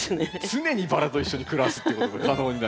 常にバラと一緒に暮らすっていうことが可能になります。